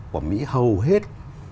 của mỹ hầu hết